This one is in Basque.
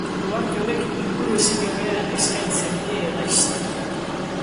Uharte honek inguru ezin hobea eskaintzen die hegaztiei.